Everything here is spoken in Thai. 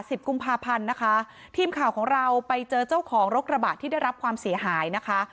กุมภาพันธ์นะคะทีมข่าวของเราไปเจอเจ้าของรถกระบะที่ได้รับความเสียหายนะคะ